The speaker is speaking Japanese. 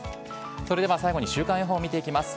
それでは最後に週間予報を見ていきます。